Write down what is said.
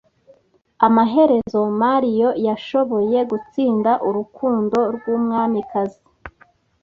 Amaherezo, Mario yashoboye gutsinda urukundo rwumwamikazi.